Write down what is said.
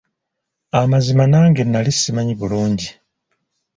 Amazima nange nali simanyi bulungi.